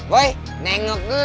boy nengok dulu